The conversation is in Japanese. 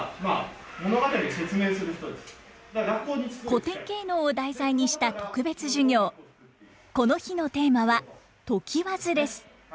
古典芸能を題材にした特別授業この日のテーマは「常磐津」です。